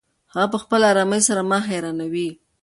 هغه په خپلې ارامۍ سره ما حیرانوي.